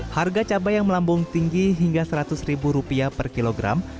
harga cabai yang melambung tinggi hingga seratus ribu rupiah per kilogram